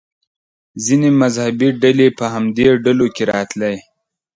ځینې مذهبي ډلې په همدې ډلو کې راتلې.